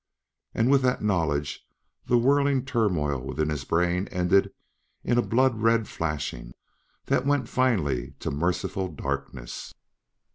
And with that knowledge the whirling turmoil within his brain ended in a blood red flashing that went finally to merciful darkness....